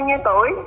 anh bao nhiêu tuổi